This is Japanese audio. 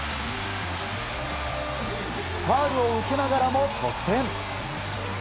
ファウルを受けながらも得点。